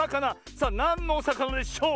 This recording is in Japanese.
さあなんのおさかなでしょう